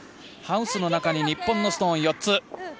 ハウスの中に日本のストーン、４つ。